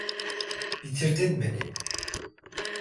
Bitirdin beni!